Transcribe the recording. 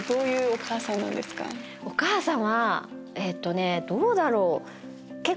お母さんはえっとねどうだろう。